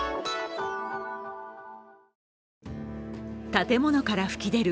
建物から噴き出る